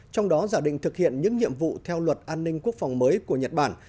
trong đó giả định thực hiện những nhiệm vụ theo luật an ninh quốc phòng mới của nhật bản